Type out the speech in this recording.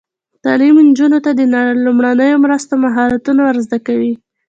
تعلیم نجونو ته د لومړنیو مرستو مهارتونه ور زده کوي.